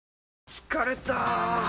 疲れた！